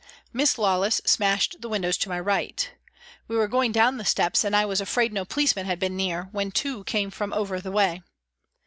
Miss Lawless smashed the windows to my right. We were going down the steps and I was afraid no policemen had been near, when two came from over the way.